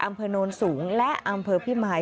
อำเภอโนนสูงและอำเภอพิมาย